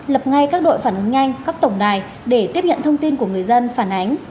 lập ngay các đội phản ứng nhanh các tổng đài để tiếp nhận thông tin của người dân phản ánh